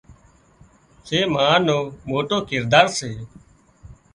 زين ما نو موٽو ڪردار سي